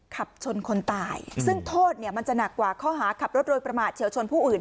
ขับชนคนตายซึ่งโทษเนี่ยมันจะหนักกว่าข้อหาขับรถโดยประมาทเฉียวชนผู้อื่น